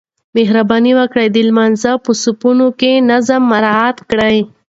مهرباني وکړئ د لمانځه په صفونو کې نظم مراعات کړئ.